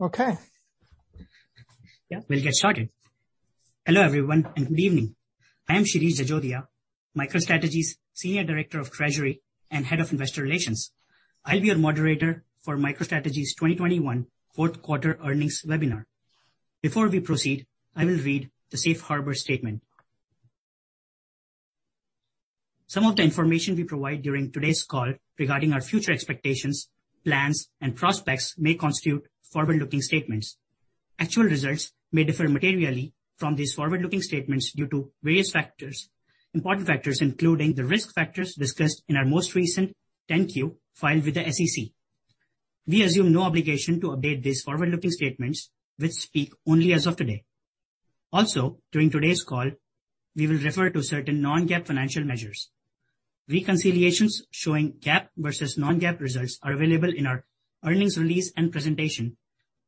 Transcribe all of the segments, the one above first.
Okay. Yeah, we'll get started. Hello everyone, and good evening. I am Shirish Jajodia, MicroStrategy's Senior Director of Treasury and Head of Investor Relations. I'll be your moderator for MicroStrategy's 2021 fourth quarter earnings webinar. Before we proceed, I will read the safe harbor statement. Some of the information we provide during today's call regarding our future expectations, plans and prospects may constitute forward-looking statements. Actual results may differ materially from these forward-looking statements due to various factors, important factors, including the risk factors discussed in our most recent 10-Q filed with the SEC. We assume no obligation to update these forward-looking statements which speak only as of today. Also, during today's call, we will refer to certain non-GAAP financial measures. Reconciliations showing GAAP versus non-GAAP results are available in our earnings release and presentation,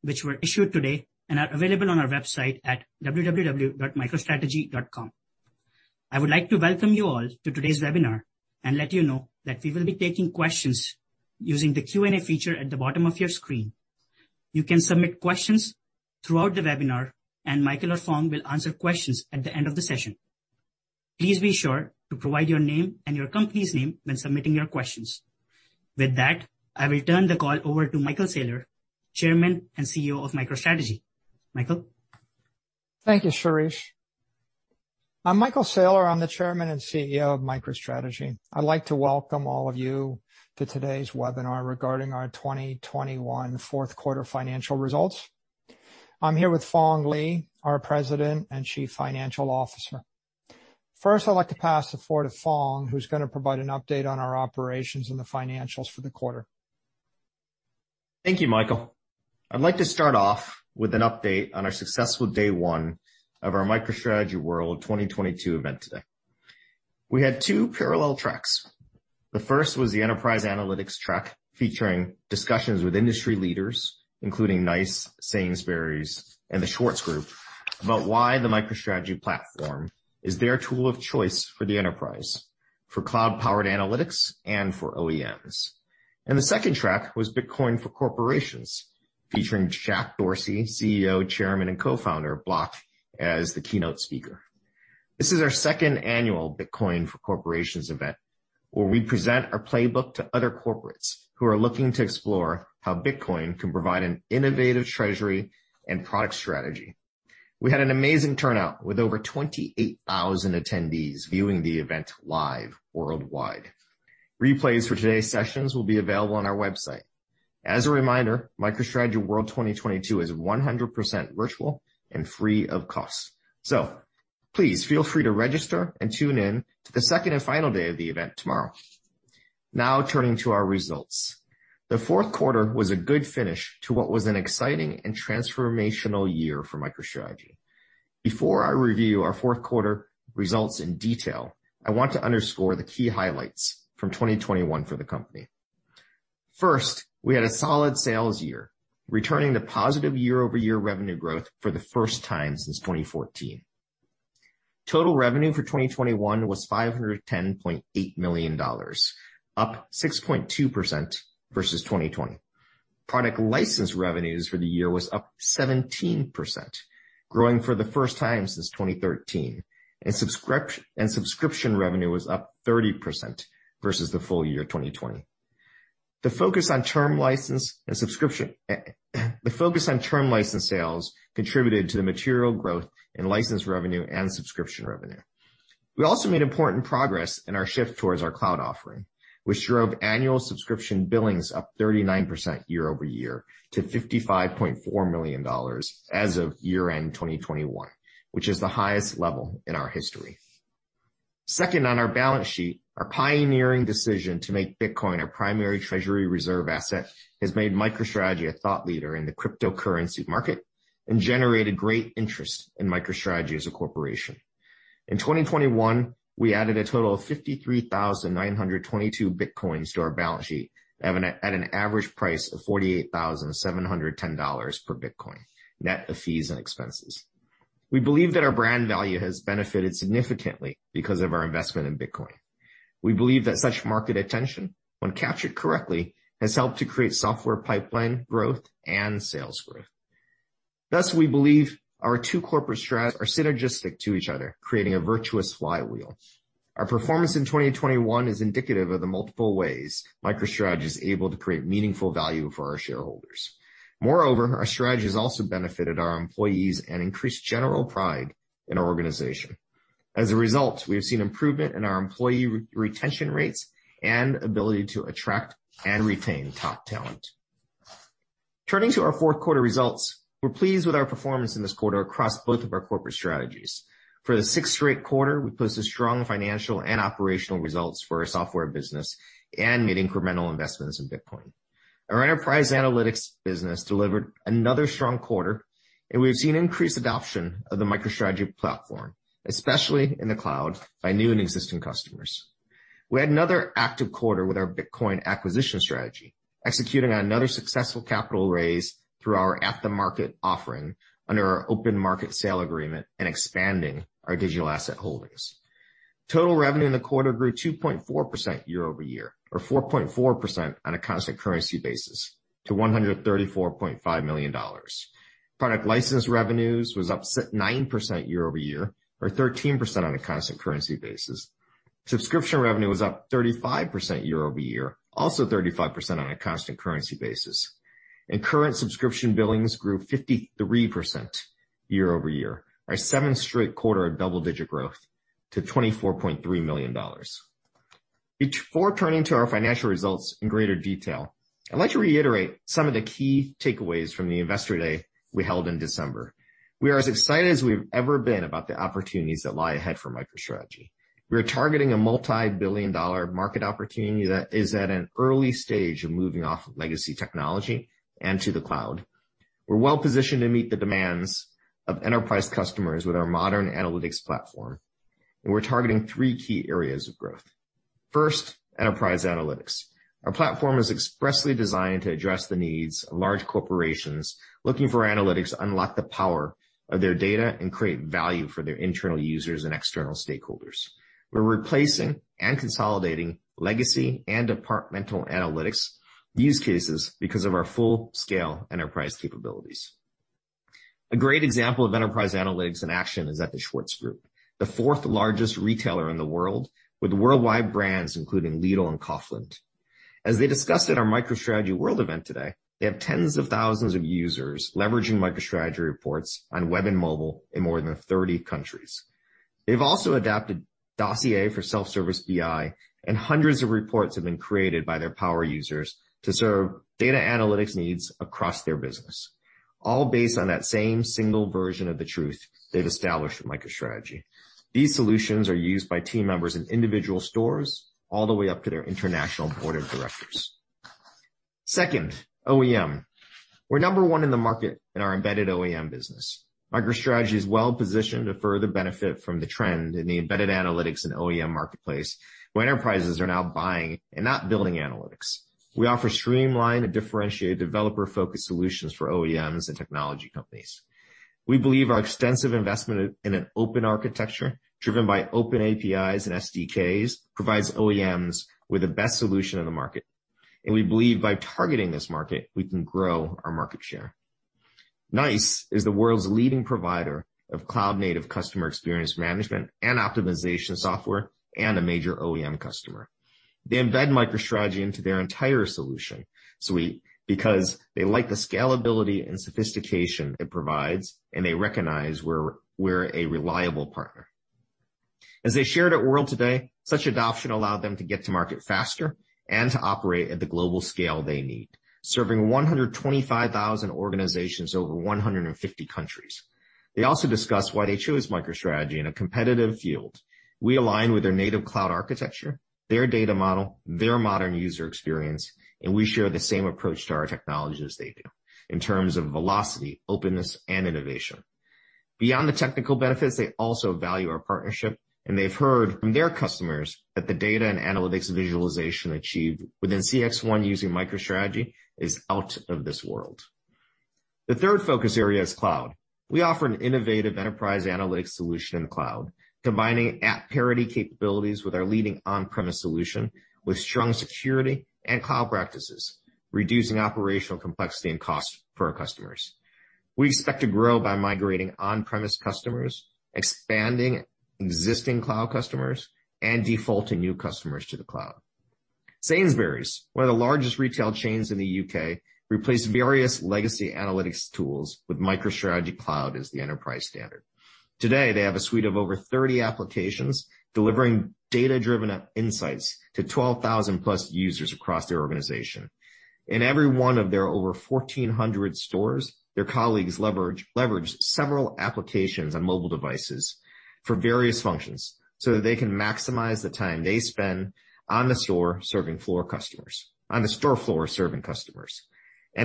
which were issued today and are available on our website at www.microstrategy.com. I would like to welcome you all to today's webinar and let you know that we will be taking questions using the Q&A feature at the bottom of your screen. You can submit questions throughout the webinar and Michael or Phong will answer questions at the end of the session. Please be sure to provide your name and your company's name when submitting your questions. With that, I will turn the call over to Michael Saylor, Chairman and CEO of MicroStrategy. Michael? Thank you, Shirish. I'm Michael Saylor, Chairman and CEO of MicroStrategy. I'd like to welcome all of you to today's webinar regarding our 2021 fourth quarter financial results. I'm here with Phong Le, our President and Chief Financial Officer. First, I'd like to pass the floor to Phong, who's gonna provide an update on our operations and the financials for the quarter. Thank you, Michael. I'd like to start off with an update on our successful day one of our MicroStrategy World 2022 event today. We had two parallel tracks. The first was the enterprise analytics track, featuring discussions with industry leaders, including NICE, Sainsbury's, and The Schwarz Group, about why the MicroStrategy platform is their tool of choice for the enterprise, for cloud-powered analytics and for OEMs. The second track was Bitcoin for Corporations, featuring Jack Dorsey, CEO, Chairman and co-founder of Block, as the keynote speaker. This is our second annual Bitcoin for Corporations event, where we present our playbook to other corporates who are looking to explore how Bitcoin can provide an innovative treasury and product strategy. We had an amazing turnout with over 28,000 attendees viewing the event live worldwide. Replays for today's sessions will be available on our website. As a reminder, MicroStrategy World 2022 is 100% virtual and free of cost. Please feel free to register and tune in to the second and final day of the event tomorrow. Now turning to our results. The fourth quarter was a good finish to what was an exciting and transformational year for MicroStrategy. Before I review our fourth quarter results in detail, I want to underscore the key highlights from 2021 for the company. First, we had a solid sales year, returning to positive year-over-year revenue growth for the first time since 2014. Total revenue for 2021 was $510.8 million, up 6.2% versus 2020. Product license revenues for the year was up 17%, growing for the first time since 2013, and subscription revenue was up 30% versus the full year 2020. The focus on term license and subscription, the focus on term license sales contributed to the material growth in license revenue and subscription revenue. We also made important progress in our shift towards our cloud offering, which drove annual subscription billings up 39% year-over-year to $55.4 million as of year-end 2021, which is the highest level in our history. Second, on our balance sheet, our pioneering decision to make Bitcoin our primary treasury reserve asset has made MicroStrategy a thought leader in the cryptocurrency market and generated great interest in MicroStrategy as a corporation. In 2021, we added a total of 53,922 Bitcoins to our balance sheet at an average price of $48,710 per Bitcoin, net of fees and expenses. We believe that our brand value has benefited significantly because of our investment in Bitcoin. We believe that such market attention, when captured correctly, has helped to create software pipeline growth and sales growth. Thus, we believe our two corporate strategies are synergistic to each other, creating a virtuous flywheel. Our performance in 2021 is indicative of the multiple ways MicroStrategy is able to create meaningful value for our shareholders. Moreover, our strategy has also benefited our employees and increased general pride in our organization. As a result, we have seen improvement in our employee retention rates and ability to attract and retain top talent. Turning to our fourth quarter results, we're pleased with our performance in this quarter across both of our corporate strategies. For the sixth straight quarter, we posted strong financial and operational results for our software business and made incremental investments in Bitcoin. Our enterprise analytics business delivered another strong quarter, and we've seen increased adoption of the MicroStrategy platform, especially in the cloud, by new and existing customers. We had another active quarter with our Bitcoin acquisition strategy, executing on another successful capital raise through our at-the-market offering under our open market sale agreement and expanding our digital asset holdings. Total revenue in the quarter grew 2.4% year-over-year, or 4.4% on a constant currency basis to $134.5 million. Product license revenues was up nine percent year-over-year or 13% on a constant currency basis. Subscription revenue was up 35% year-over-year, also 35% on a constant currency basis. Current subscription billings grew 53% year-over-year. Our seventh straight quarter of double-digit growth to $24.3 million. Before turning to our financial results in greater detail, I'd like to reiterate some of the key takeaways from the Investor Day we held in December. We are as excited as we've ever been about the opportunities that lie ahead for MicroStrategy. We're targeting a multi-billion-dollar market opportunity that is at an early stage of moving off of legacy technology and to the cloud. We're well-positioned to meet the demands of enterprise customers with our modern analytics platform, and we're targeting three key areas of growth. First, enterprise analytics. Our platform is expressly designed to address the needs of large corporations looking for analytics to unlock the power of their data and create value for their internal users and external stakeholders. We're replacing and consolidating legacy and departmental analytics use cases because of our full-scale enterprise capabilities. A great example of enterprise analytics in action is at the Schwarz Group, the fourth-largest retailer in the world with worldwide brands, including Lidl and Kaufland. As they discussed at our MicroStrategy World event today, they have tens of thousands of users leveraging MicroStrategy reports on web and mobile in more than 30 countries. They've also adapted Dossier for self-service BI, and hundreds of reports have been created by their power users to serve data analytics needs across their business, all based on that same single version of the truth they've established with MicroStrategy. These solutions are used by team members in individual stores all the way up to their international board of directors. Second, OEM. We're number one in the market in our embedded OEM business. MicroStrategy is well-positioned to further benefit from the trend in the embedded analytics and OEM marketplace, where enterprises are now buying and not building analytics. We offer streamlined and differentiated developer-focused solutions for OEMs and technology companies. We believe our extensive investment in an open architecture driven by open APIs and SDKs provides OEMs with the best solution in the market. We believe by targeting this market, we can grow our market share. NICE is the world's leading provider of cloud-native customer experience management and optimization software and a major OEM customer. They embed MicroStrategy into their entire solution suite because they like the scalability and sophistication it provides, and they recognize we're a reliable partner. As they shared at MicroStrategy World, such adoption allowed them to get to market faster and to operate at the global scale they need, serving 125,000 organizations over 150 countries. They also discuss why they chose MicroStrategy in a competitive field. We align with their native cloud architecture, their data model, their modern user experience, and we share the same approach to our technology as they do in terms of velocity, openness, and innovation. Beyond the technical benefits, they also value our partnership, and they've heard from their customers that the data and analytics visualization achieved within CXone using MicroStrategy is out of this world. The third focus area is cloud. We offer an innovative enterprise analytics solution in the cloud, combining app parity capabilities with our leading on-premise solution with strong security and cloud practices, reducing operational complexity and cost for our customers. We expect to grow by migrating on-premise customers, expanding existing cloud customers, and defaulting new customers to the cloud. Sainsbury's, one of the largest retail chains in the U.K., replaced various legacy analytics tools with MicroStrategy Cloud as the enterprise standard. Today, they have a suite of over 30 applications delivering data-driven insights to 12,000+ users across their organization. In every one of their over 1,400 stores, their colleagues leverage several applications on mobile devices for various functions, so that they can maximize the time they spend on the store floor serving customers.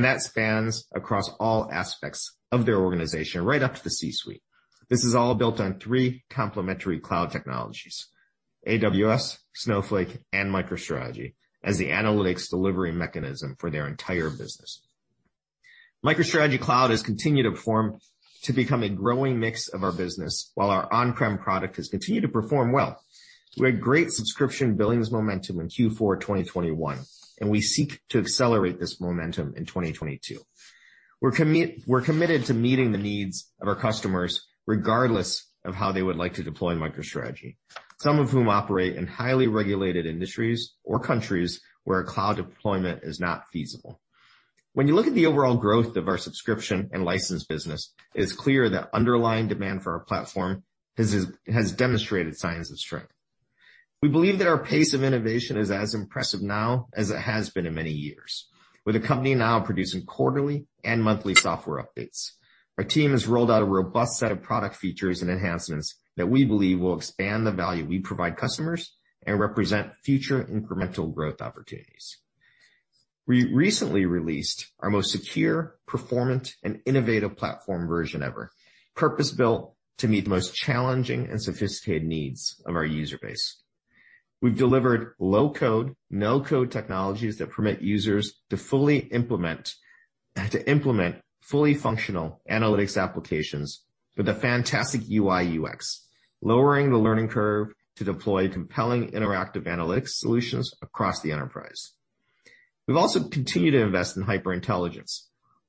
That spans across all aspects of their organization, right up to the C-suite. This is all built on three complementary cloud technologies, AWS, Snowflake, and MicroStrategy as the analytics delivery mechanism for their entire business. MicroStrategy Cloud has continued to perform to become a growing mix of our business while our on-prem product has continued to perform well. We had great subscription billings momentum in Q4 2021, and we seek to accelerate this momentum in 2022. We're committed to meeting the needs of our customers regardless of how they would like to deploy MicroStrategy, some of whom operate in highly regulated industries or countries where a cloud deployment is not feasible. When you look at the overall growth of our subscription and license business, it's clear that underlying demand for our platform has demonstrated signs of strength. We believe that our pace of innovation is as impressive now as it has been in many years. With the company now producing quarterly and monthly software updates. Our team has rolled out a robust set of product features and enhancements that we believe will expand the value we provide customers and represent future incremental growth opportunities. We recently released our most secure, performant, and innovative platform version ever, purpose-built to meet the most challenging and sophisticated needs of our user base. We've delivered low-code, no-code technologies that permit users to implement fully functional analytics applications with a fantastic UI/UX, lowering the learning curve to deploy compelling interactive analytics solutions across the enterprise. We've also continued to invest in HyperIntelligence,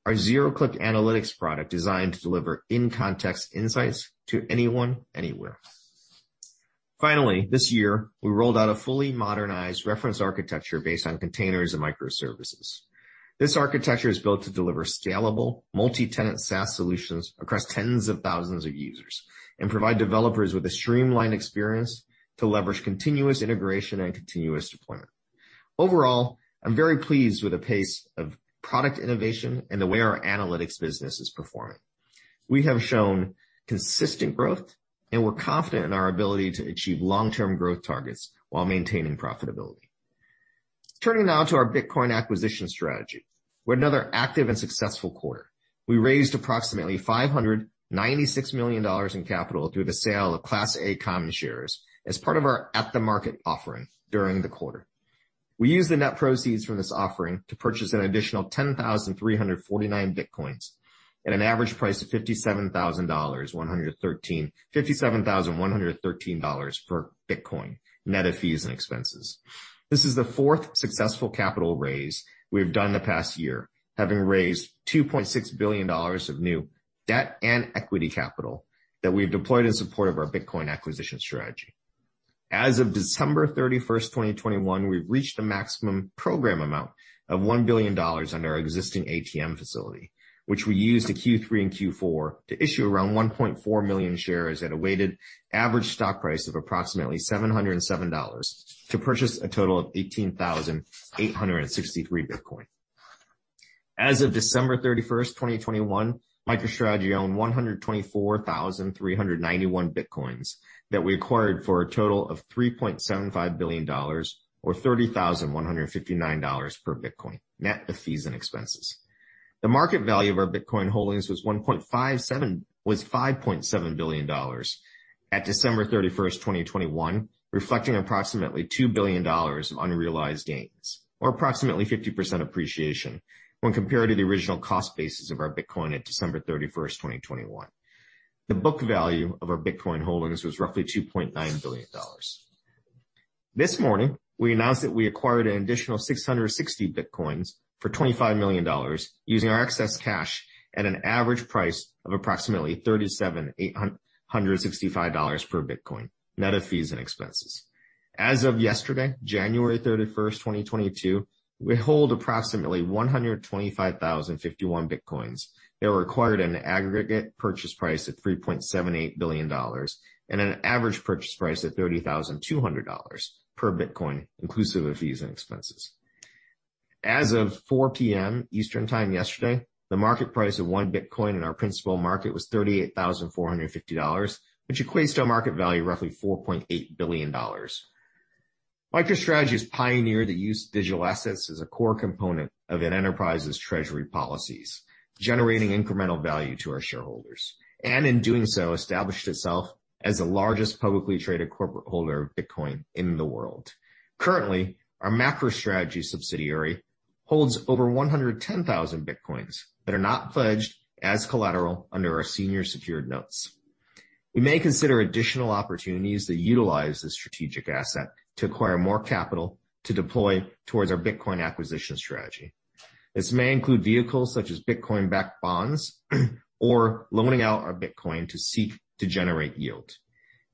our zero-click analytics product designed to deliver in-context insights to anyone, anywhere. Finally, this year, we rolled out a fully modernized reference architecture based on containers and microservices. This architecture is built to deliver scalable multi-tenant SaaS solutions across tens of thousands of users and provide developers with a streamlined experience to leverage continuous integration and continuous deployment. Overall, I'm very pleased with the pace of product innovation and the way our analytics business is performing. We have shown consistent growth, and we're confident in our ability to achieve long-term growth targets while maintaining profitability. Turning now to our Bitcoin acquisition strategy, we had another active and successful quarter. We raised approximately $596 million in capital through the sale of Class A common shares as part of our at-the-market offering during the quarter. We used the net proceeds from this offering to purchase an additional 10,349 Bitcoins at an average price of $57,113 per Bitcoin, net of fees and expenses. This is the fourth successful capital raise we've done in the past year, having raised $2.6 billion of new debt and equity capital that we've deployed in support of our Bitcoin acquisition strategy. As of December 31, 2021, we've reached a maximum program amount of $1 billion under our existing ATM facility, which we used in Q3 and Q4 to issue around 1.4 million shares at a weighted average stock price of approximately $707 to purchase a total of 18,863 Bitcoin. As of December 31, 2021, MicroStrategy owned 124,391 Bitcoins that we acquired for a total of $3.75 billion or $30,159 per Bitcoin, net of fees and expenses. The market value of our Bitcoin holdings was $5.7 billion at December 31, 2021, reflecting approximately $2 billion of unrealized gains, or approximately 50% appreciation when compared to the original cost basis of our Bitcoin at December 31, 2021. The book value of our Bitcoin holdings was roughly $2.9 billion. This morning, we announced that we acquired an additional 660 Bitcoins for $25 million using our excess cash at an average price of approximately $37,865 per Bitcoin, net of fees and expenses. As of yesterday, January 31, 2022, we hold approximately 125,051 Bitcoins that were acquired at an aggregate purchase price of $3.78 billion and an average purchase price of $30,200 per Bitcoin, inclusive of fees and expenses. As of 4 P.M. Eastern Time yesterday, the market price of one Bitcoin in our principal market was $38,450, which equates to a market value of roughly $4.8 billion. MicroStrategy has pioneered the use of digital assets as a core component of an enterprise's treasury policies, generating incremental value to our shareholders, and in doing so, established itself as the largest publicly traded corporate holder of Bitcoin in the world. Currently, our MacroStrategy subsidiary holds over 110,000 Bitcoins that are not pledged as collateral under our senior secured notes. We may consider additional opportunities to utilize this strategic asset to acquire more capital to deploy towards our Bitcoin acquisition strategy. This may include vehicles such as Bitcoin-backed bonds or loaning out our Bitcoin to seek to generate yield.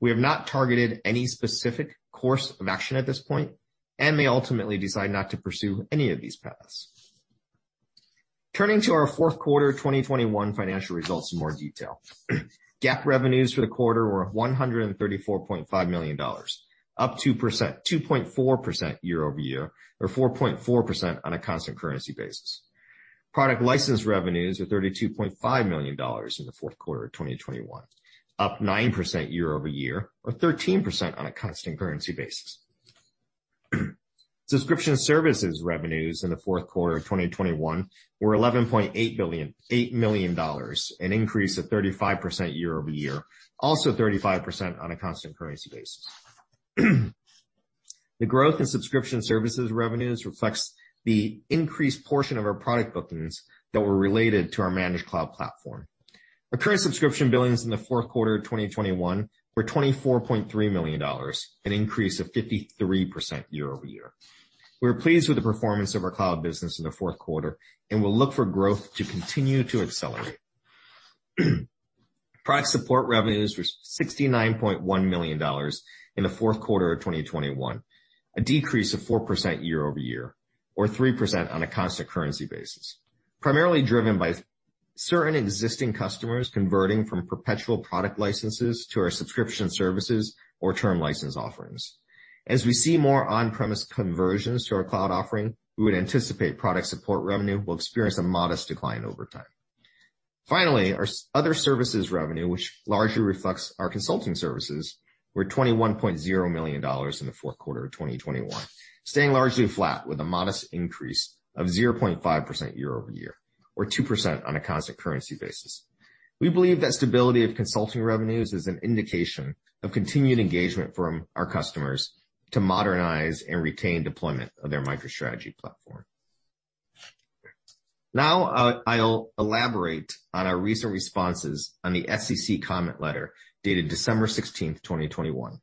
We have not targeted any specific course of action at this point and may ultimately decide not to pursue any of these paths. Turning to our fourth quarter 2021 financial results in more detail. GAAP revenues for the quarter were $134.5 million, up 2.4% year-over-year, or 4.4% on a constant currency basis. Product license revenues were $32.5 million in the fourth quarter of 2021, up 9% year-over-year, or 13% on a constant currency basis. Subscription services revenues in the fourth quarter of 2021 were $11.8 million, an increase of 35% year-over-year, also 35% on a constant currency basis. The growth in subscription services revenues reflects the increased portion of our product bookings that were related to our managed cloud platform. Recurrent subscription billings in the fourth quarter of 2021 were $24.3 million, an increase of 53% year-over-year. We're pleased with the performance of our cloud business in the fourth quarter and will look for growth to continue to accelerate. Product support revenues were $69.1 million in the fourth quarter of 2021, a decrease of 4% year-over-year or 3% on a constant currency basis, primarily driven by certain existing customers converting from perpetual product licenses to our subscription services or term license offerings. As we see more on-premise conversions to our cloud offering, we would anticipate product support revenue will experience a modest decline over time. Finally, our other services revenue, which largely reflects our consulting services, were $21.0 million in the fourth quarter of 2021, staying largely flat with a modest increase of 0.5% year-over-year or 2% on a constant currency basis. We believe that stability of consulting revenues is an indication of continued engagement from our customers to modernize and retain deployment of their MicroStrategy platform. Now I'll elaborate on our recent responses to the SEC comment letter dated December 16, 2021.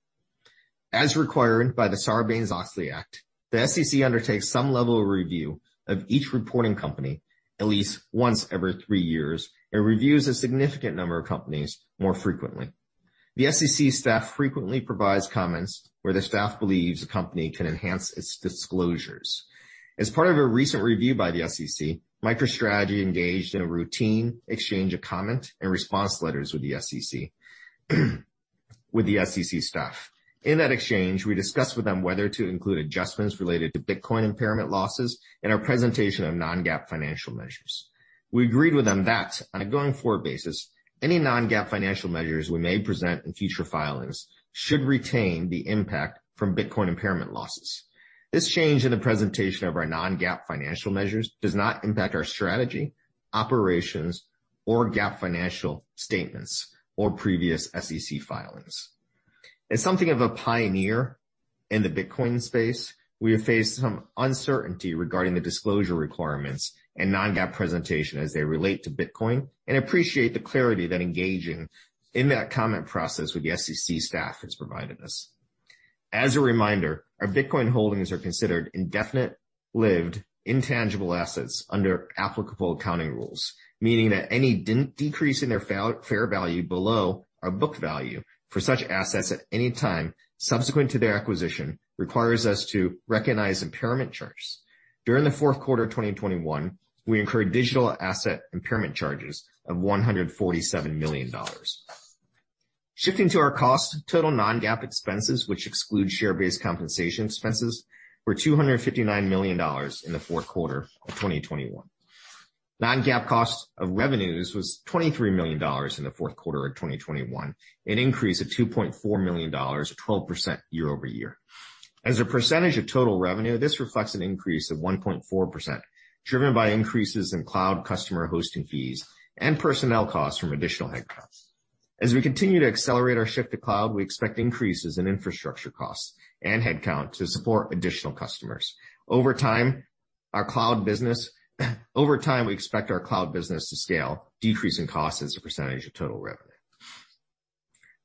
As required by the Sarbanes-Oxley Act, the SEC undertakes some level of review of each reporting company at least once every three years and reviews a significant number of companies more frequently. The SEC staff frequently provides comments where the staff believes a company can enhance its disclosures. As part of a recent review by the SEC, MicroStrategy engaged in a routine exchange of comment and response letters with the SEC, with the SEC staff. In that exchange, we discussed with them whether to include adjustments related to Bitcoin impairment losses in our presentation of non-GAAP financial measures. We agreed with them that on a going-forward basis, any non-GAAP financial measures we may present in future filings should retain the impact from Bitcoin impairment losses. This change in the presentation of our non-GAAP financial measures does not impact our strategy, operations, or GAAP financial statements or previous SEC filings. As something of a pioneer in the Bitcoin space, we have faced some uncertainty regarding the disclosure requirements and non-GAAP presentation as they relate to Bitcoin and appreciate the clarity that engaging in that comment process with the SEC staff has provided us. As a reminder, our Bitcoin holdings are considered indefinite-lived intangible assets under applicable accounting rules, meaning that any decrease in their fair value below our book value for such assets at any time subsequent to their acquisition requires us to recognize impairment charge. During the fourth quarter of 2021, we incurred digital asset impairment charges of $147 million. Shifting to our cost, total non-GAAP expenses, which exclude share-based compensation expenses, were $259 million in the fourth quarter of 2021. Non-GAAP cost of revenues was $23 million in the fourth quarter of 2021, an increase of $2.4 million, 12% year-over-year. As a percentage of total revenue, this reflects an increase of 1.4%, driven by increases in cloud customer hosting fees and personnel costs from additional headcounts. As we continue to accelerate our shift to cloud, we expect increases in infrastructure costs and headcount to support additional customers. Over time, we expect our cloud business to scale, decreasing cost as a percentage of total revenue.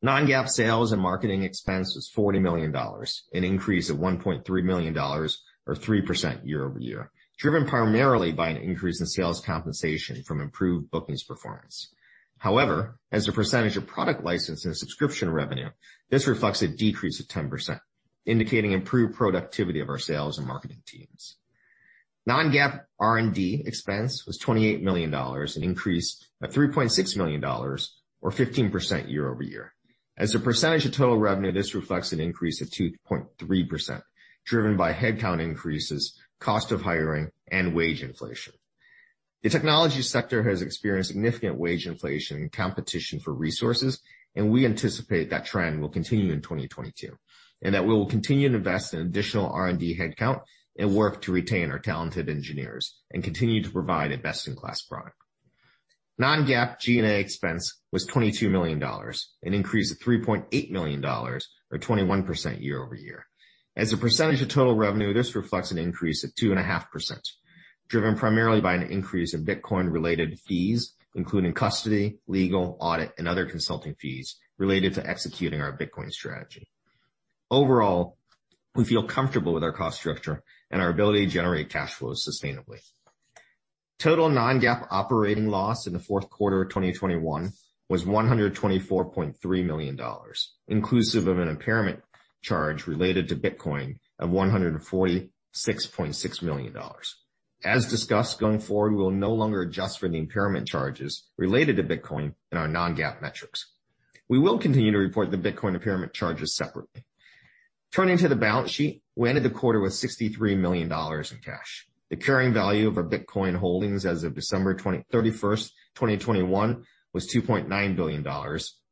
Non-GAAP sales and marketing expense was $40 million, an increase of $1.3 million or 3% year-over-year, driven primarily by an increase in sales compensation from improved bookings performance. However, as a percentage of product license and subscription revenue, this reflects a decrease of 10%, indicating improved productivity of our sales and marketing teams. Non-GAAP R&D expense was $28 million, an increase of $3.6 million or 15% year-over-year. As a percentage of total revenue, this reflects an increase of 2.3%, driven by headcount increases, cost of hiring, and wage inflation. The technology sector has experienced significant wage inflation and competition for resources, and we anticipate that trend will continue in 2022, and that we will continue to invest in additional R&D headcount and work to retain our talented engineers and continue to provide a best-in-class product. Non-GAAP G&A expense was $22 million, an increase of $3.8 million or 21% year-over-year. As a percentage of total revenue, this reflects an increase of 2.5%, driven primarily by an increase in Bitcoin-related fees, including custody, legal, audit, and other consulting fees related to executing our Bitcoin strategy. Overall, we feel comfortable with our cost structure and our ability to generate cash flows sustainably. Total non-GAAP operating loss in the fourth quarter of 2021 was $124.3 million, inclusive of an impairment charge related to Bitcoin of $146.6 million. As discussed, going forward, we will no longer adjust for the impairment charges related to Bitcoin in our non-GAAP metrics. We will continue to report the Bitcoin impairment charges separately. Turning to the balance sheet, we ended the quarter with $63 million in cash. The carrying value of our Bitcoin holdings as of December 31, 2021 was $2.9 billion,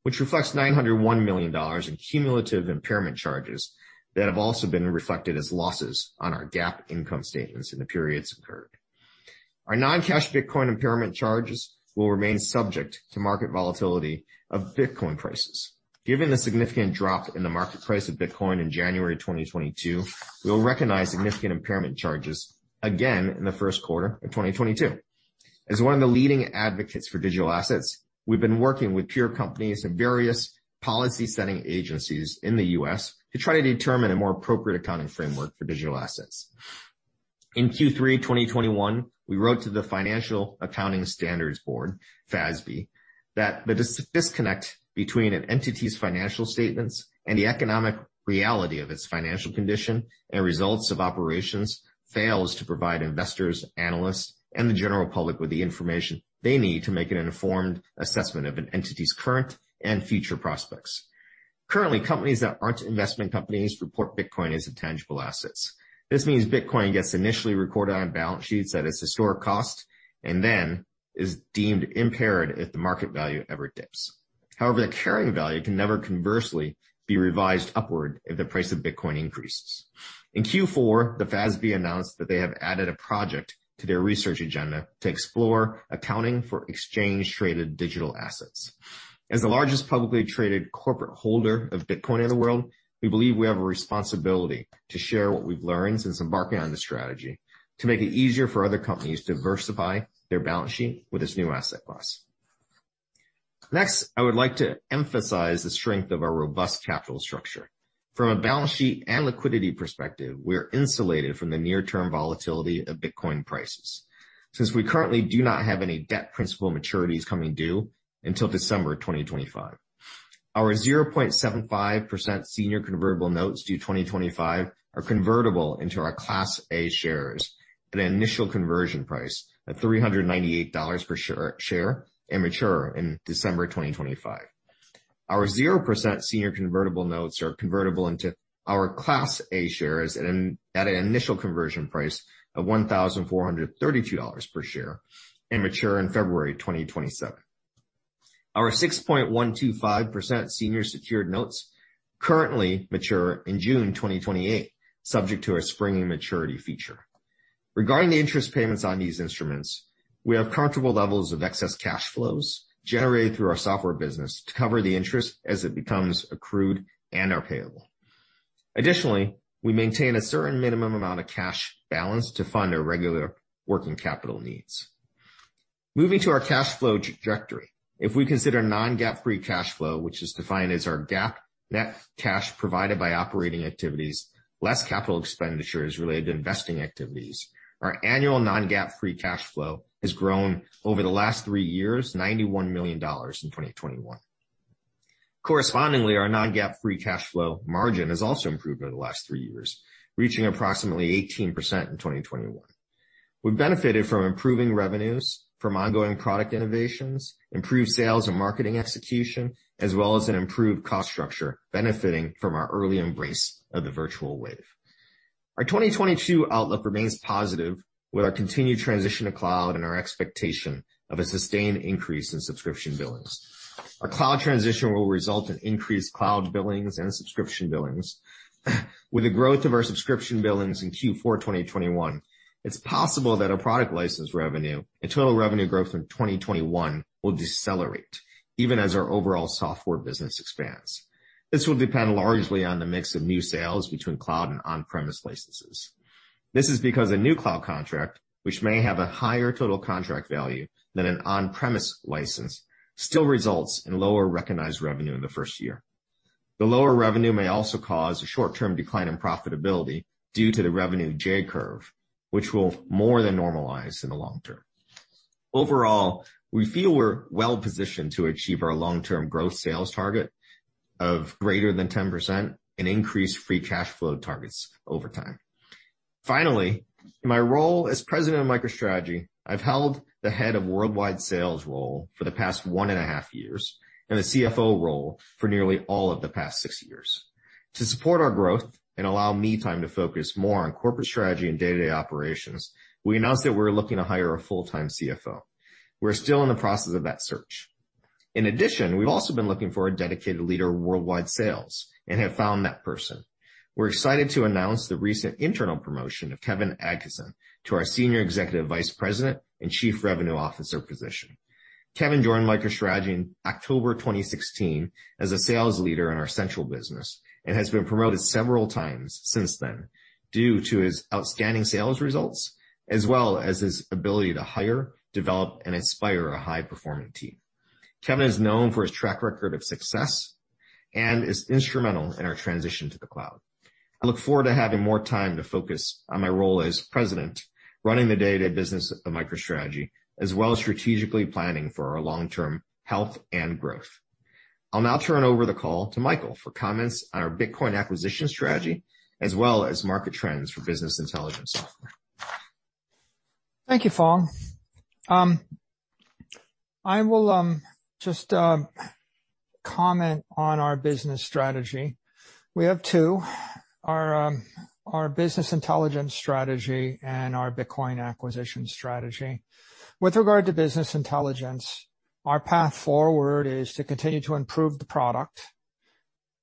which reflects $901 million in cumulative impairment charges that have also been reflected as losses on our GAAP income statements in the periods occurred. Our non-cash Bitcoin impairment charges will remain subject to market volatility of Bitcoin prices. Given the significant drop in the market price of Bitcoin in January 2022, we'll recognize significant impairment charges again in the first quarter of 2022. As one of the leading advocates for digital assets, we've been working with peer companies and various policy-setting agencies in the U.S. to try to determine a more appropriate accounting framework for digital assets. In Q3 2021, we wrote to the Financial Accounting Standards Board, FASB, that the disconnect between an entity's financial statements and the economic reality of its financial condition and results of operations fails to provide investors, analysts, and the general public with the information they need to make an informed assessment of an entity's current and future prospects. Currently, companies that aren't investment companies report Bitcoin as intangible assets. This means Bitcoin gets initially recorded on balance sheets at its historic cost and then is deemed impaired if the market value ever dips. However, the carrying value can never conversely be revised upward if the price of Bitcoin increases. In Q4, the FASB announced that they have added a project to their research agenda to explore accounting for exchange traded digital assets. As the largest publicly traded corporate holder of Bitcoin in the world, we believe we have a responsibility to share what we've learned since embarking on this strategy to make it easier for other companies to diversify their balance sheet with this new asset class. Next, I would like to emphasize the strength of our robust capital structure. From a balance sheet and liquidity perspective, we're insulated from the near-term volatility of Bitcoin prices. Since we currently do not have any debt principal maturities coming due until December 2025. Our 0.75% senior convertible notes due 2025 are convertible into our Class A shares at an initial conversion price of $398 per share and mature in December 2025. Our zero percent senior convertible notes are convertible into our Class A shares at an initial conversion price of $1,432 per share and mature in February 2027. Our 6.125% senior secured notes currently mature in June 2028, subject to a springing maturity feature. Regarding the interest payments on these instruments, we have comfortable levels of excess cash flows generated through our software business to cover the interest as it becomes accrued and payable. Additionally, we maintain a certain minimum amount of cash balance to fund our regular working capital needs. Moving to our cash flow trajectory. If we consider non-GAAP free cash flow, which is defined as our GAAP net cash provided by operating activities, less capital expenditures related to investing activities, our annual non-GAAP free cash flow has grown over the last three years, $91 million in 2021. Correspondingly, our non-GAAP free cash flow margin has also improved over the last three years, reaching approximately 18% in 2021. We've benefited from improving revenues from ongoing product innovations, improved sales and marketing execution, as well as an improved cost structure benefiting from our early embrace of the virtual wave. Our 2022 outlook remains positive with our continued transition to cloud and our expectation of a sustained increase in subscription billings. Our cloud transition will result in increased cloud billings and subscription billings. With the growth of our subscription billings in Q4 2021, it's possible that our product license revenue and total revenue growth in 2021 will decelerate even as our overall software business expands. This will depend largely on the mix of new sales between cloud and on-premise licenses. This is because a new cloud contract, which may have a higher total contract value than an on-premise license, still results in lower recognized revenue in the first year. The lower revenue may also cause a short-term decline in profitability due to the revenue J curve, which will more than normalize in the long term. Overall, we feel we're well-positioned to achieve our long-term growth sales target of greater than 10% and increase free cash flow targets over time. Finally, in my role as President of MicroStrategy, I've held the head of worldwide sales role for the past one and a half years and a CFO role for nearly all of the past six years. To support our growth and allow me time to focus more on corporate strategy and day-to-day operations, we announced that we're looking to hire a full-time CFO. We're still in the process of that search. In addition, we've also been looking for a dedicated leader for worldwide sales and have found that person. We're excited to announce the recent internal promotion of Kevin Adkisson to our Senior Executive Vice President and Chief Revenue Officer position. Kevin joined MicroStrategy in October 2016 as a sales leader in our central business and has been promoted several times since then due to his outstanding sales results, as well as his ability to hire, develop, and inspire a high-performing team. Kevin is known for his track record of success and is instrumental in our transition to the cloud. I look forward to having more time to focus on my role as President, running the day-to-day business of MicroStrategy, as well as strategically planning for our long-term health and growth. I'll now turn over the call to Michael for comments on our Bitcoin acquisition strategy, as well as market trends for business intelligence software. Thank you, Phong. I will just comment on our business strategy. We have two our business intelligence strategy and our Bitcoin acquisition strategy. With regard to business intelligence, our path forward is to continue to improve the product,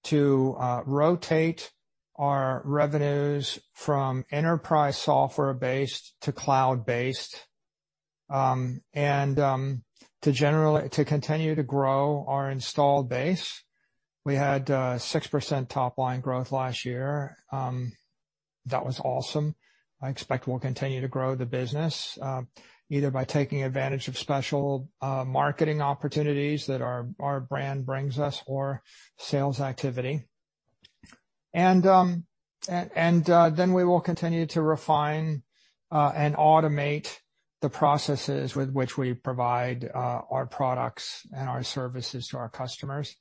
to rotate our revenues from enterprise software-based to cloud-based, and to continue to grow our installed base. We had 6% top-line growth last year. That was awesome. I expect we'll continue to grow the business, either by taking advantage of special marketing opportunities that our brand brings us or sales activity. We will continue to refine and automate the processes with which we provide our products and our services to our customers.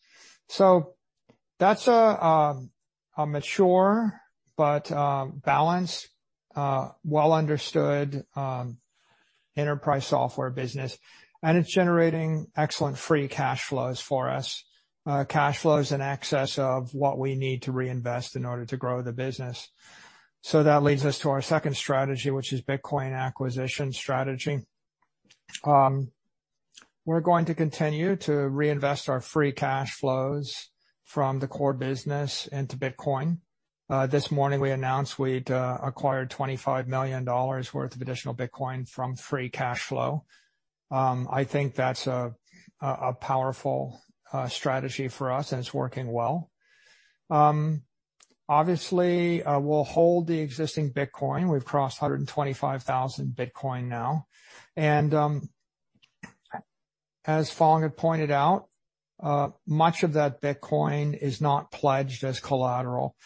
That's a mature but balanced well-understood enterprise software business, and it's generating excellent free cash flows for us, cash flows in excess of what we need to reinvest in order to grow the business. That leads us to our second strategy, which is Bitcoin acquisition strategy. We're going to continue to reinvest our free cash flows from the core business into Bitcoin. This morning we announced we'd acquired $25 million worth of additional Bitcoin from free cash flow. I think that's a powerful strategy for us, and it's working well. Obviously, we'll hold the existing Bitcoin. We've crossed 125,000 Bitcoin now. As Phong had pointed out, much of that Bitcoin is not pledged as collateral.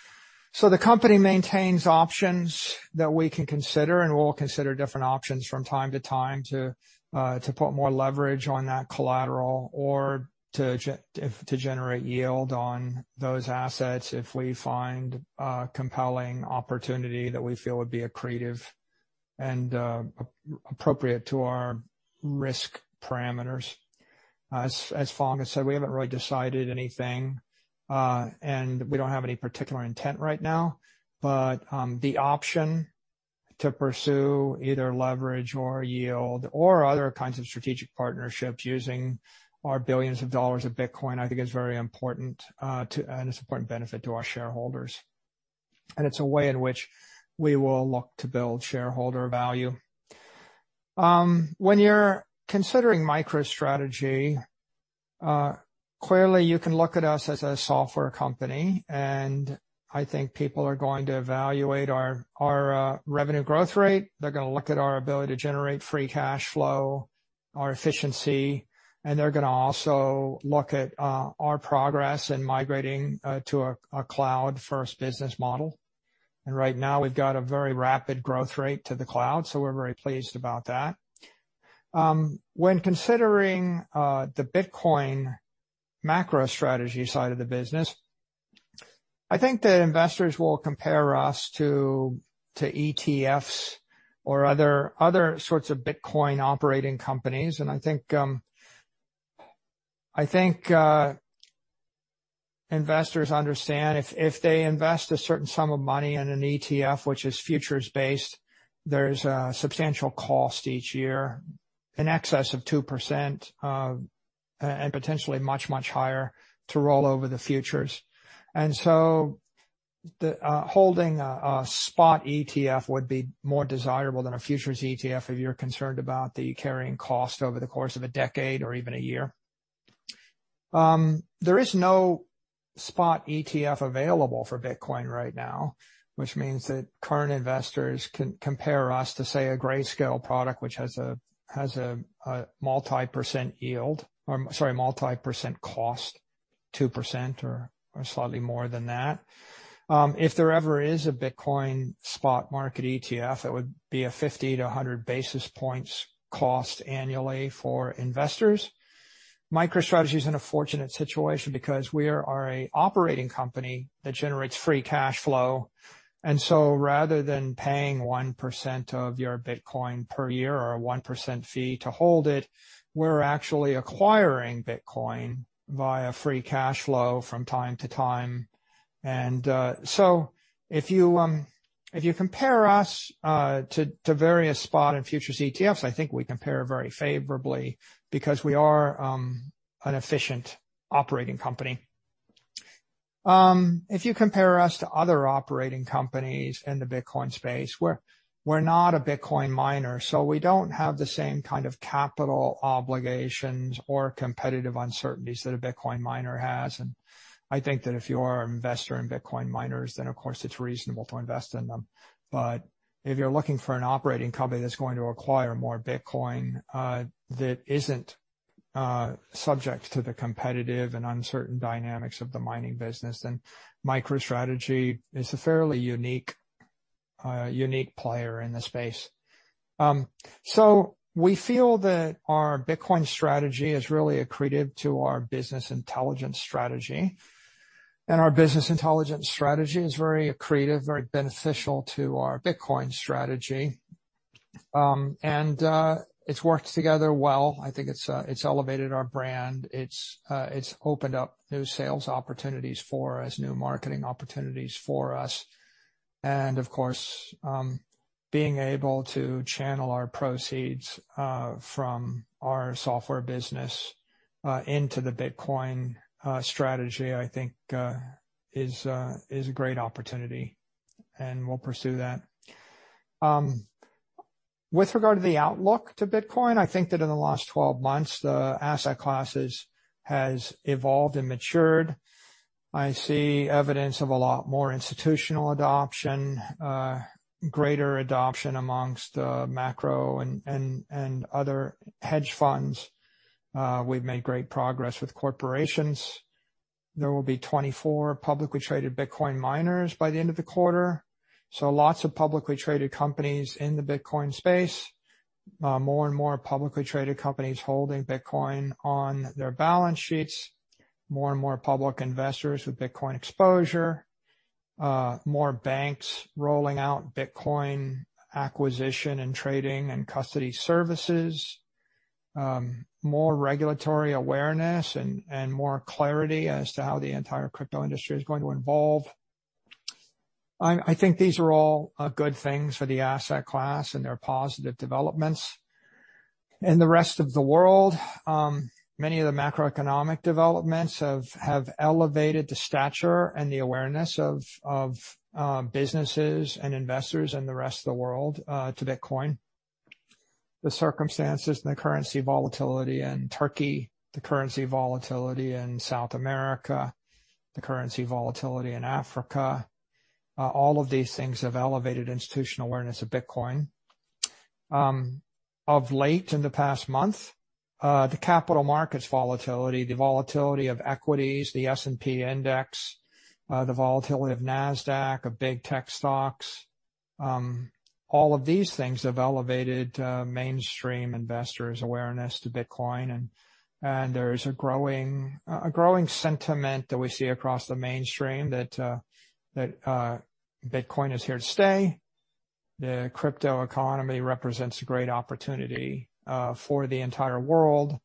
The company maintains options that we can consider, and we'll consider different options from time to time to put more leverage on that collateral or to generate yield on those assets if we find a compelling opportunity that we feel would be accretive and appropriate to our risk parameters. As Phong has said, we haven't really decided anything, and we don't have any particular intent right now. The option to pursue either leverage or yield or other kinds of strategic partnerships using our billions of dollars of Bitcoin, I think is very important and it's an important benefit to our shareholders. It's a way in which we will look to build shareholder value. When you're considering MicroStrategy, clearly you can look at us as a software company, and I think people are going to evaluate our revenue growth rate. They're gonna look at our ability to generate free cash flow, our efficiency, and they're gonna also look at our progress in migrating to a cloud-first business model. Right now, we've got a very rapid growth rate to the cloud, so we're very pleased about that. When considering the Bitcoin MacroStrategy side of the business, I think that investors will compare us to ETFs or other sorts of Bitcoin operating companies. I think investors understand if they invest a certain sum of money in an ETF which is futures-based, there's a substantial cost each year in excess of 2%, and potentially much higher to roll over the futures. Holding a spot ETF would be more desirable than a futures ETF if you're concerned about the carrying cost over the course of a decade or even a year. There is no spot ETF available for Bitcoin right now, which means that current investors can compare us to, say, a Grayscale product, which has a multi-percent yield or I'm sorry, multi-percent cost, 2% or slightly more than that. If there ever is a Bitcoin spot market ETF, it would be a 50-100 basis points cost annually for investors. MicroStrategy is in a fortunate situation because we are an operating company that generates free cash flow. Rather than paying 1% of your Bitcoin per year or a 1% fee to hold it, we're actually acquiring Bitcoin via free cash flow from time to time. If you compare us to various spot and futures ETFs, I think we compare very favorably because we are an efficient operating company. If you compare us to other operating companies in the Bitcoin space, we're not a Bitcoin miner, so we don't have the same kind of capital obligations or competitive uncertainties that a Bitcoin miner has. I think that if you are an investor in Bitcoin miners, then of course it's reasonable to invest in them. If you're looking for an operating company that's going to acquire more Bitcoin that isn't subject to the competitive and uncertain dynamics of the mining business, then MicroStrategy is a fairly unique player in the space. We feel that our Bitcoin strategy is really accretive to our business intelligence strategy. Our business intelligence strategy is very accretive, very beneficial to our Bitcoin strategy. It's worked together well. I think it's elevated our brand. It's opened up new sales opportunities for us, new marketing opportunities for us. Of course, being able to channel our proceeds from our software business into the Bitcoin strategy I think is a great opportunity, and we'll pursue that. With regard to the outlook to Bitcoin, I think that in the last 12 months, the asset classes has evolved and matured. I see evidence of a lot more institutional adoption, greater adoption amongst macro and other hedge funds. We've made great progress with corporations. There will be 24 publicly traded Bitcoin miners by the end of the quarter. Lots of publicly traded companies in the Bitcoin space. More and more publicly traded companies holding Bitcoin on their balance sheets. More and more public investors with Bitcoin exposure. More banks rolling out Bitcoin acquisition and trading and custody services. More regulatory awareness and more clarity as to how the entire crypto industry is going to evolve. I think these are all good things for the asset class and they're positive developments. In the rest of the world, many of the macroeconomic developments have elevated the stature and the awareness of businesses and investors in the rest of the world to Bitcoin. The circumstances and the currency volatility in Turkey, the currency volatility in South America, the currency volatility in Africa, all of these things have elevated institutional awareness of Bitcoin. Of late in the past month, the capital markets volatility, the volatility of equities, the S&P index, the volatility of Nasdaq, of big tech stocks, all of these things have elevated mainstream investors' awareness to Bitcoin. There's a growing sentiment that we see across the mainstream that Bitcoin is here to stay. The crypto economy represents a great opportunity for the entire world.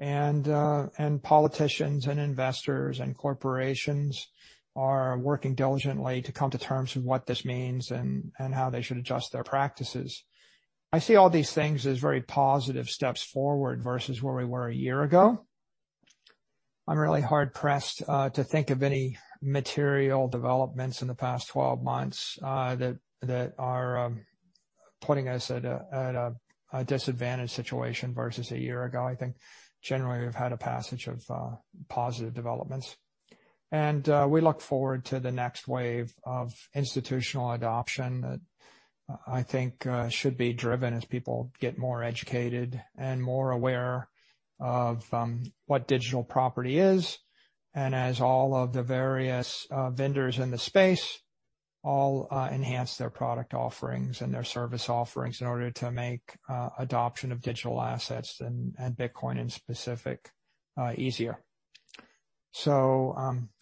Politicians and investors and corporations are working diligently to come to terms with what this means and how they should adjust their practices. I see all these things as very positive steps forward versus where we were a year ago. I'm really hard pressed to think of any material developments in the past 12 months that are putting us at a disadvantaged situation versus a year ago. I think generally we've had a passage of positive developments. We look forward to the next wave of institutional adoption that I think should be driven as people get more educated and more aware of what digital property is, and as all of the various vendors in the space enhance their product offerings and their service offerings in order to make adoption of digital assets and Bitcoin specifically easier.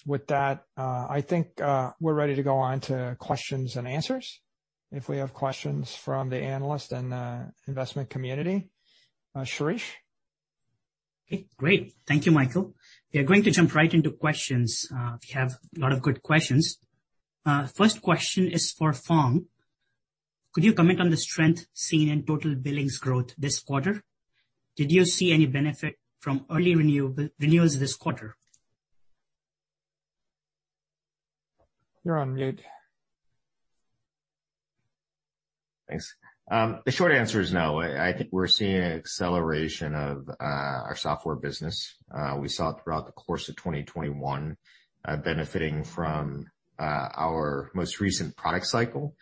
With that, I think we're ready to go on to questions and answers. If we have questions from the analysts and investment community. Shirish. Okay, great. Thank you, Michael. We are going to jump right into questions. We have a lot of good questions. First question is for Phong. Could you comment on the strength seen in total billings growth this quarter? Did you see any benefit from early renewals this quarter? You're on mute. Thanks. The short answer is no. I think we're seeing an acceleration of our software business. We saw it throughout the course of 2021, benefiting from our most recent product cycle,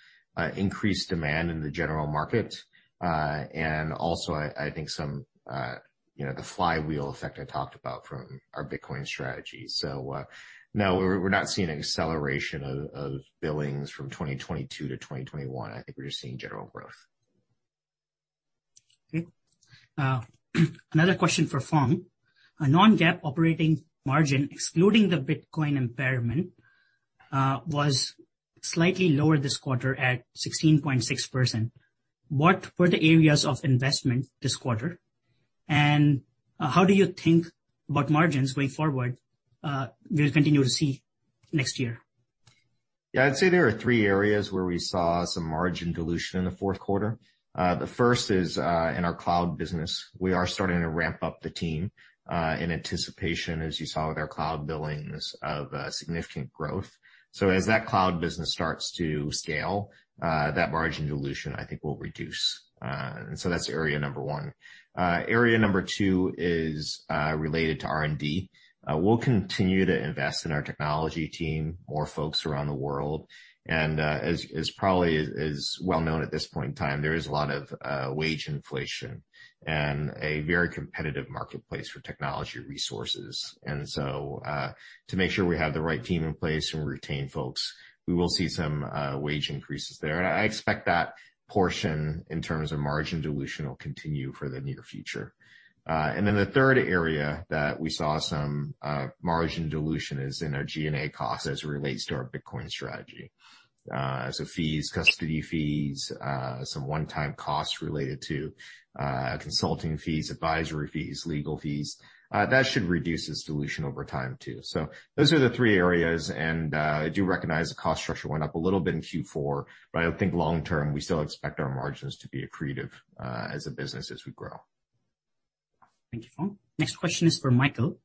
increased demand in the general market, and also I think some, you know, the flywheel effect I talked about from our Bitcoin strategy. No, we're not seeing an acceleration of billings from 2022-2021. I think we're just seeing general growth. Okay. Another question for Phong. A non-GAAP operating margin excluding the Bitcoin impairment was slightly lower this quarter at 16.6%. What were the areas of investment this quarter? How do you think about margins going forward? We'll continue to see next year? Yeah. I'd say there are three areas where we saw some margin dilution in the fourth quarter. The first is in our cloud business. We are starting to ramp up the team in anticipation, as you saw with our cloud billings of significant growth. As that cloud business starts to scale, that margin dilution I think will reduce. That's area number one. Area number two is related to R&D. We'll continue to invest in our technology team, more folks around the world. As probably is well known at this point in time, there is a lot of wage inflation and a very competitive marketplace for technology resources. To make sure we have the right team in place and retain folks, we will see some wage increases there. I expect that portion in terms of margin dilution will continue for the near future. And then the third area that we saw some margin dilution is in our G&A costs as it relates to our Bitcoin strategy. So fees, custody fees, some one-time costs related to consulting fees, advisory fees, legal fees. That should reduce this dilution over time too. So those are the three areas. I do recognize the cost structure went up a little bit in Q4, but I think long term, we still expect our margins to be accretive, as a business as we grow. Thank you, Phong. Next question is for Michael.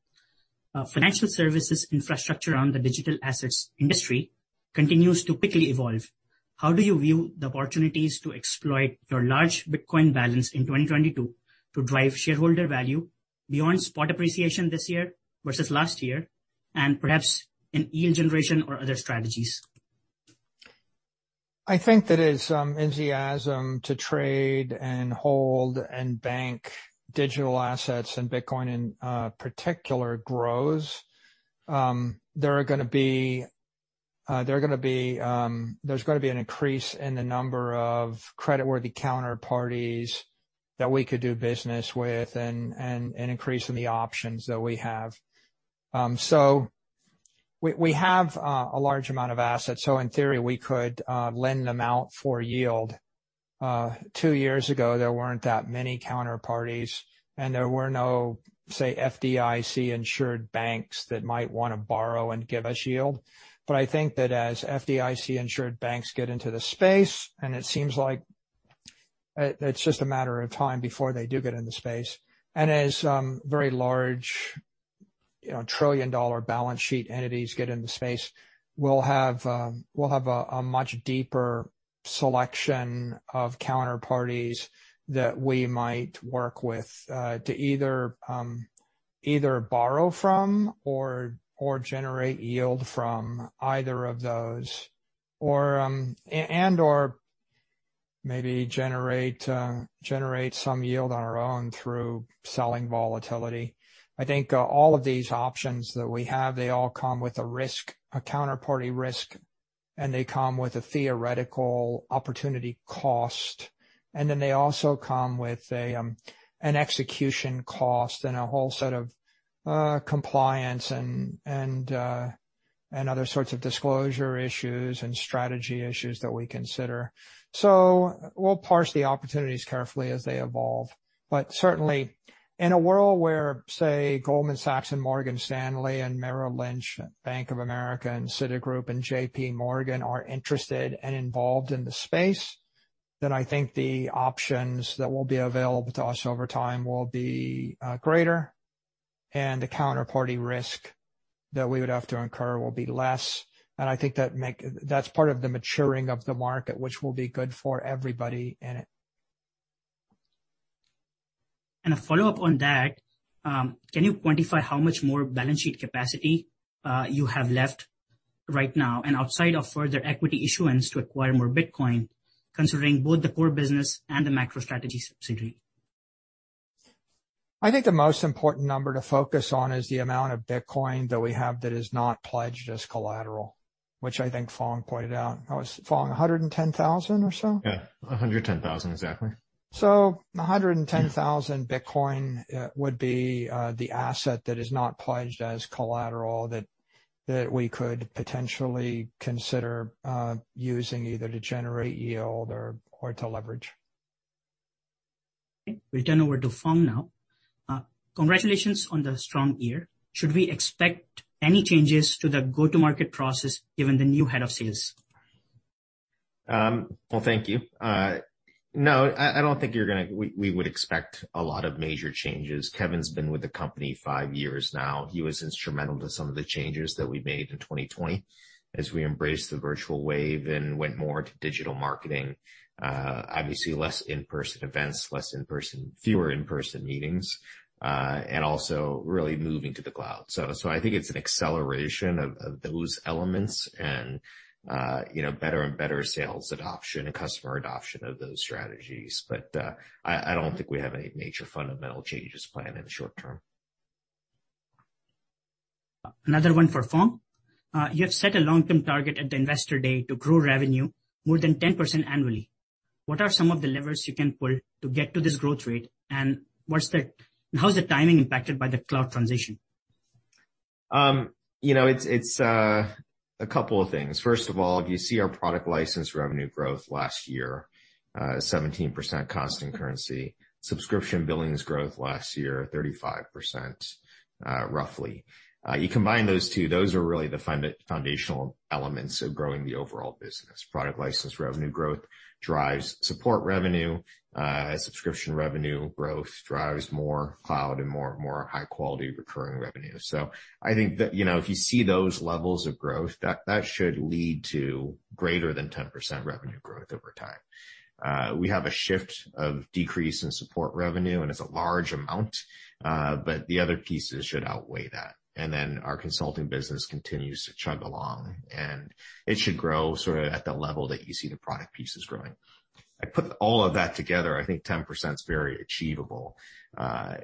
Financial services infrastructure in the digital assets industry continues to quickly evolve. How do you view the opportunities to exploit your large Bitcoin balance in 2022 to drive shareholder value beyond spot appreciation this year versus last year, and perhaps in yield generation or other strategies? I think that as enthusiasm to trade and hold and bank digital assets, and Bitcoin in particular grows, there's gonna be an increase in the number of creditworthy counterparties that we could do business with and increase in the options that we have. We have a large amount of assets, so in theory, we could lend them out for yield. Two years ago, there weren't that many counterparties, and there were no, say, FDIC-insured banks that might wanna borrow and give us yield. I think that as FDIC-insured banks get into the space, and it seems like it's just a matter of time before they do get in the space. Very large, you know, trillion-dollar balance sheet entities get into space. We'll have a much deeper selection of counterparties that we might work with, to either borrow from or generate yield from either of those or and/or maybe generate some yield on our own through selling volatility. I think all of these options that we have, they all come with a risk, a counterparty risk, and they come with a theoretical opportunity cost. Then they also come with an execution cost and a whole set of compliance and other sorts of disclosure issues and strategy issues that we consider. We'll parse the opportunities carefully as they evolve. Certainly in a world where, say, Goldman Sachs and Morgan Stanley and Merrill Lynch and Bank of America and Citigroup and JPMorgan are interested and involved in the space, then I think the options that will be available to us over time will be greater, and the counterparty risk that we would have to incur will be less. I think that's part of the maturing of the market, which will be good for everybody in it. A follow-up on that. Can you quantify how much more balance sheet capacity you have left right now and outside of further equity issuance to acquire more Bitcoin, considering both the core business and the MicroStrategy subsidiary? I think the most important number to focus on is the amount of Bitcoin that we have that is not pledged as collateral, which I think Phong pointed out. That was, Phong, 110,000 or so? Yeah. 110,000 exactly. 110,000 Bitcoin would be the asset that is not pledged as collateral that we could potentially consider using either to generate yield or to leverage. Okay. We turn over to Phong now. Congratulations on the strong year. Should we expect any changes to the go-to-market process given the new head of sales? Well, thank you. No, I don't think we would expect a lot of major changes. Kevin's been with the company five years now. He was instrumental to some of the changes that we made in 2020 as we embraced the virtual wave and went more to digital marketing. Obviously less in-person events, fewer in-person meetings, and also really moving to the cloud. I think it's an acceleration of those elements and you know, better and better sales adoption and customer adoption of those strategies. I don't think we have any major fundamental changes planned in the short term. Another one for Phong. You have set a long-term target at the investor day to grow revenue more than 10% annually. What are some of the levers you can pull to get to this growth rate, and how is the timing impacted by the cloud transition? You know, it's a couple of things. First of all, if you see our product license revenue growth last year, 17% constant currency. Subscription billings growth last year, 35%, roughly. You combine those two, those are really the foundational elements of growing the overall business. Product license revenue growth drives support revenue. Subscription revenue growth drives more cloud and more high-quality recurring revenue. So I think that, you know, if you see those levels of growth, that should lead to greater than 10% revenue growth over time. We have a shift of decrease in support revenue, and it's a large amount, but the other pieces should outweigh that. Our consulting business continues to chug along, and it should grow sort of at the level that you see the product pieces growing. I put all of that together, I think 10% is very achievable.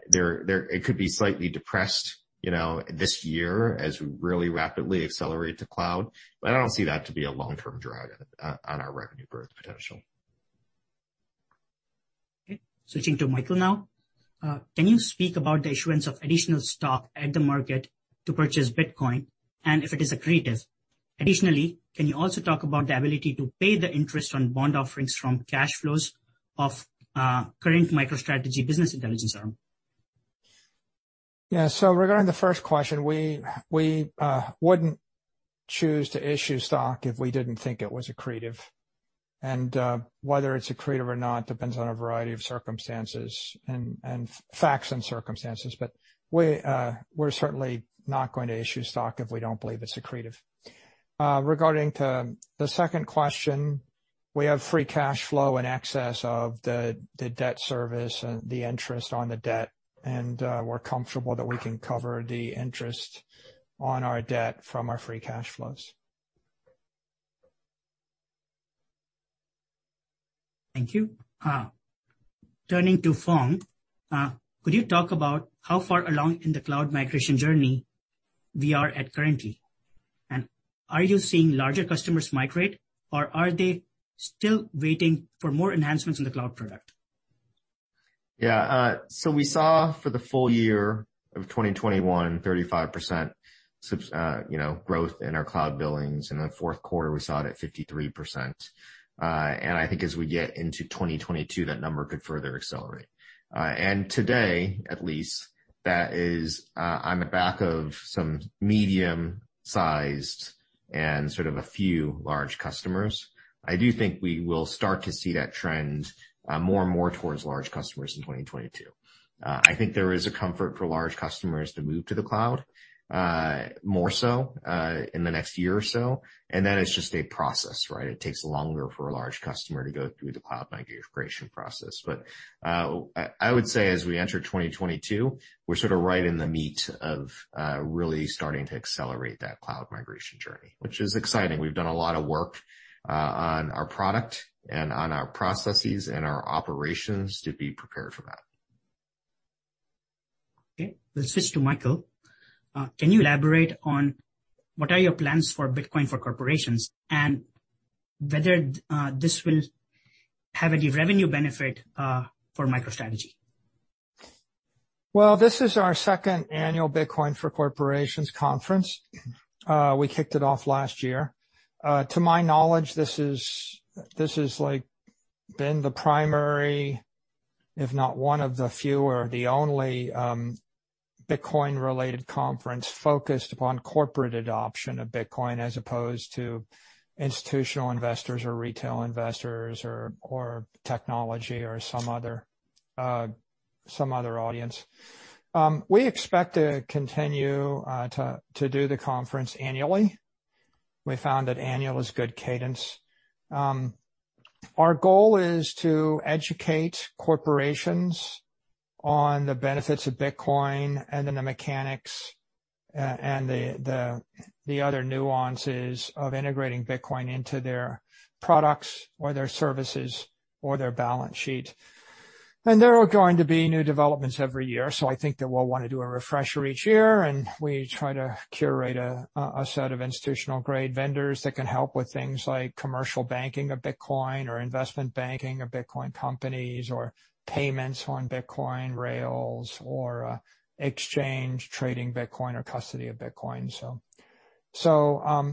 There it could be slightly depressed, you know, this year as we really rapidly accelerate to cloud, but I don't see that to be a long-term drag on our revenue growth potential. Okay. Switching to Michael now. Can you speak about the issuance of additional stock at the market to purchase Bitcoin and if it is accretive? Additionally, can you also talk about the ability to pay the interest on bond offerings from cash flows of current MicroStrategy business intelligence arm? Regarding the first question, we wouldn't choose to issue stock if we didn't think it was accretive. Whether it's accretive or not depends on a variety of circumstances and facts and circumstances. We're certainly not going to issue stock if we don't believe it's accretive. Regarding the second question, we have free cash flow in excess of the debt service and the interest on the debt, and we're comfortable that we can cover the interest on our debt from our free cash flows. Thank you. Turning to Phong. Could you talk about how far along in the cloud migration journey we are at currently? Are you seeing larger customers migrate, or are they still waiting for more enhancements in the cloud product? Yeah. We saw for the full year of 2021 35% you know, growth in our cloud billings. In the fourth quarter, we saw it at 53%. I think as we get into 2022, that number could further accelerate. Today, at least, that is on the back of some medium-sized and sort of a few large customers. I do think we will start to see that trend more and more towards large customers in 2022. I think there is a comfort for large customers to move to the cloud more so in the next year or so, and then it's just a process, right? It takes longer for a large customer to go through the cloud migration process. I would say as we enter 2022, we're sort of right in the meat of really starting to accelerate that cloud migration journey, which is exciting. We've done a lot of work on our product and on our processes and our operations to be prepared for that. Okay. Let's switch to Michael. Can you elaborate on what are your plans for Bitcoin for Corporations, and whether this will have any revenue benefit for MicroStrategy? Well, this is our second annual Bitcoin for Corporations Conference. We kicked it off last year. To my knowledge, this has been the primary, if not one of the few or the only, Bitcoin-related conference focused upon corporate adoption of Bitcoin as opposed to institutional investors or retail investors or technology or some other audience. We expect to continue to do the conference annually. We found that annual is good cadence. Our goal is to educate corporations on the benefits of Bitcoin and then the mechanics and the other nuances of integrating Bitcoin into their products or their services or their balance sheet. There are going to be new developments every year, so I think that we'll wanna do a refresher each year, and we try to curate a set of institutional grade vendors that can help with things like commercial banking of Bitcoin or investment banking of Bitcoin companies or payments on Bitcoin rails or exchange trading Bitcoin or custody of Bitcoin.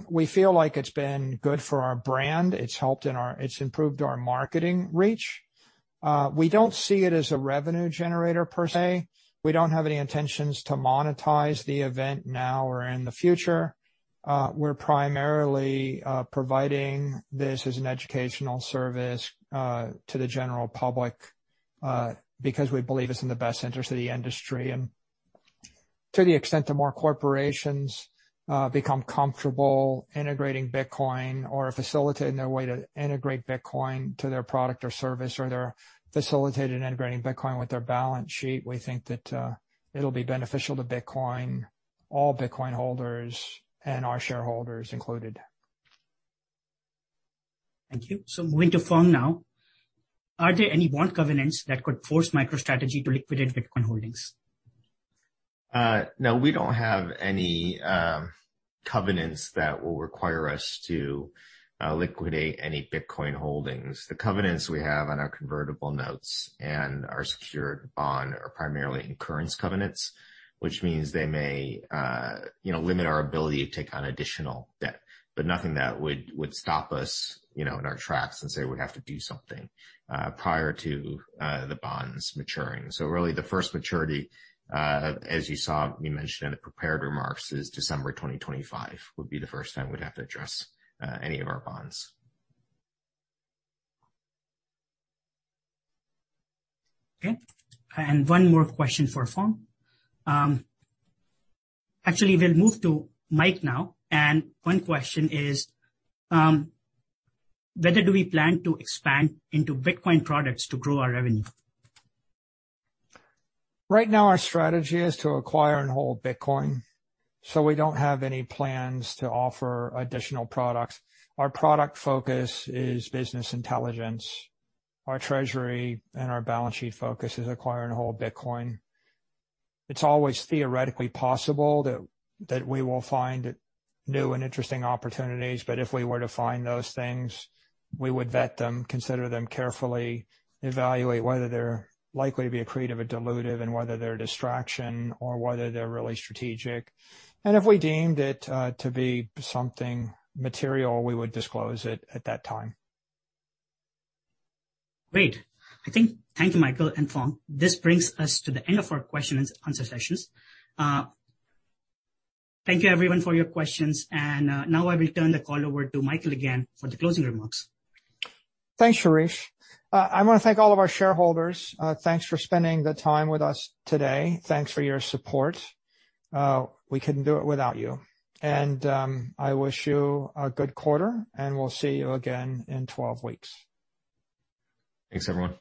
We feel like it's been good for our brand. It's improved our marketing reach. We don't see it as a revenue generator per se. We don't have any intentions to monetize the event now or in the future. We're primarily providing this as an educational service to the general public because we believe it's in the best interest of the industry. To the extent that more corporations become comfortable integrating Bitcoin or facilitating their way to integrate Bitcoin to their product or service or they're facilitating integrating Bitcoin with their balance sheet, we think that it'll be beneficial to Bitcoin, all Bitcoin holders and our shareholders included. Thank you. Moving to Phong now. Are there any bond covenants that could force MicroStrategy to liquidate Bitcoin holdings? No, we don't have any covenants that will require us to liquidate any Bitcoin holdings. The covenants we have on our convertible notes and our secured bond are primarily incurrence covenants, which means they may, you know, limit our ability to take on additional debt. But nothing that would stop us, you know, in our tracks and say we have to do something prior to the bonds maturing. Really the first maturity, as you saw me mention in the prepared remarks, is December 2025, would be the first time we'd have to address any of our bonds. Okay. One more question for Phong. Actually, we'll move to Mike now. One question is, whether do we plan to expand into Bitcoin products to grow our revenue? Right now our strategy is to acquire and hold Bitcoin, so we don't have any plans to offer additional products. Our product focus is business intelligence. Our treasury and our balance sheet focus is acquire and hold Bitcoin. It's always theoretically possible that we will find new and interesting opportunities, but if we were to find those things, we would vet them, consider them carefully, evaluate whether they're likely to be accretive or dilutive, and whether they're a distraction or whether they're really strategic. If we deemed it to be something material, we would disclose it at that time. Great. I think thank you, Michael and Phong. This brings us to the end of our question and answer sessions. Thank you everyone for your questions. Now I will turn the call over to Michael again for the closing remarks. Thanks, Shirish. I wanna thank all of our shareholders. Thanks for spending the time with us today. Thanks for your support. We couldn't do it without you. I wish you a good quarter, and we'll see you again in 12 weeks. Thanks, everyone.